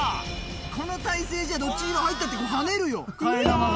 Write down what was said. この体勢じゃどっちにしろ入ったって跳ねるよ替え玉が。